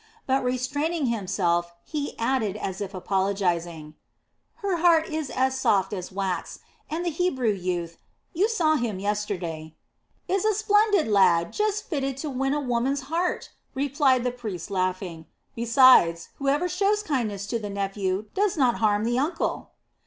But, restraining himself, he added as if apologizing: "Her heart is as soft as wax, and the Hebrew youth you saw him yesterday...." "Is a splendid lad, just fitted to win a woman's heart!" replied the priest laughing. "Besides, whoever shows kindness to the nephew does not harm the uncle."